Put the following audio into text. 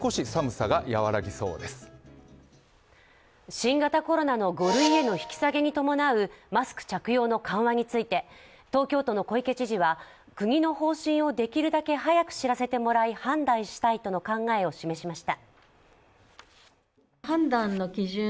新型コロナの５類への引き下げに伴うマスク着用の緩和について東京都の小池知事は国の方針をできるだけ早く知らせてもらい判断したいとの考えを示しました。